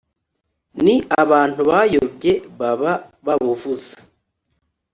ni abantu bayobye baba babuvuze